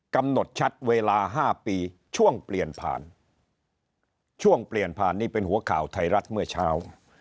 กำหนดชัดเวลา๕ปีช่วงเปลี่ยนผ่านช่วงเปลี่ยนผ่านนี่เป็นหัวข่าวไทยรัฐเมื่อเช้า